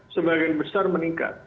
sebagian besar meningkat